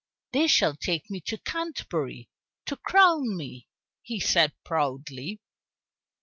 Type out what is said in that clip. "They shall take me to Canterbury to crown me," he said proudly.